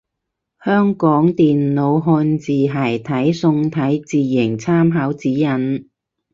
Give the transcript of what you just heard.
香港電腦漢字楷體宋體字形參考指引